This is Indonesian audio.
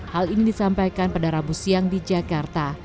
hal ini disampaikan pada rabu siang di jakarta